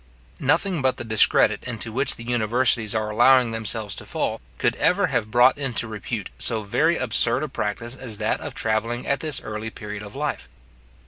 Nothing but the discredit into which the universities are allowing themselves to fall, could ever have brought into repute so very absurd a practice as that of travelling at this early period of life.